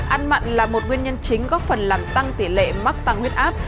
ăn mặn là một nguyên nhân chính góp phần làm tăng tỷ lệ mắc tăng huyết áp